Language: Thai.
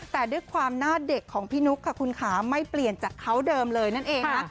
แต่ด้วยความหน้าเด็กของพี่นุ๊กค่ะคุณขาไม่เปลี่ยนจากเขาเดิมเลยนั่นเองนะ